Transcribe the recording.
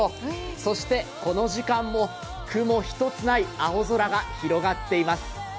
そしてこの時間も雲一つない青空が広がっています。